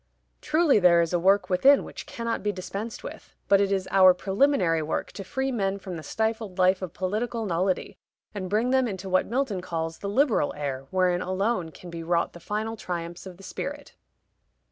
"Truly there is a work within which cannot be dispensed with; but it is our preliminary work to free men from the stifled life of political nullity, and bring them into what Milton calls 'the liberal air,' wherein alone can be wrought the final triumphs of the Spirit."